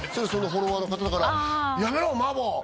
そのフォロワーの方から「やめろ麻婆」